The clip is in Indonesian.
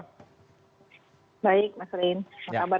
baik mas rein apa kabar